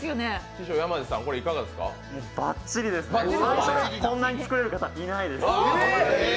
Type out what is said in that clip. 最初でこんなに作れる方いないです。